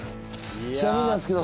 ちなみになんですけど。